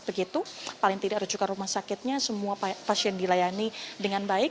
begitu paling tidak rujukan rumah sakitnya semua pasien dilayani dengan baik